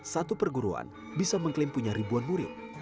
satu perguruan bisa mengklaim punya ribuan murid